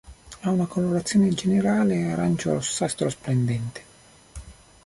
Ha una colorazione generale arancio-rossastro splendente.